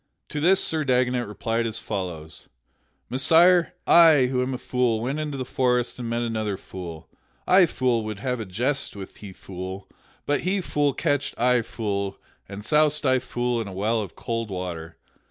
To this Sir Dagonet replied as follows: "Messire, I, who am a fool, went into the forest and met another fool. I fool would have a jest with he fool, but he fool catched I fool and soused I fool in a well of cold water.